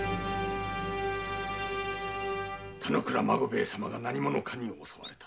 田之倉孫兵衛様が何者かに襲われた。